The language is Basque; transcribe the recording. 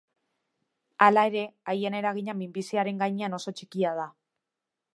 Hala ere, haien eragina minbiziaren gainean oso txikia da.